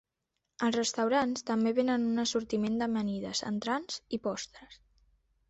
Els restaurants també venen un assortiment d'amanides, entrants i postres.